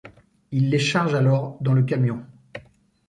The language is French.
Il les charge alors dans le camion.